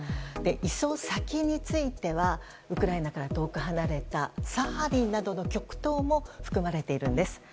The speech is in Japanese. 移送先についてはウクライナから遠く離れたサハリンなどの極東も含まれているんです。